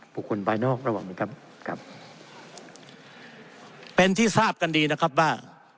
บุคคลภายนอกระวังนะครับครับเป็นที่ทราบกันดีนะครับว่า